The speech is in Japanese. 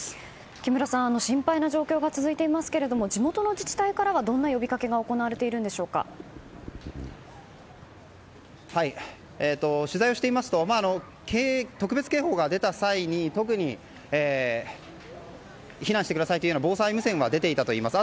木村さん、心配な状況が続いていますが地元の自治体からはどんな呼びかけが取材をしていますと特別警報が出た際に特に避難してくださいという防災無線は出ていたといいます。